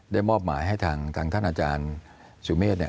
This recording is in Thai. มอบหมายให้ทางท่านอาจารย์สุเมฆ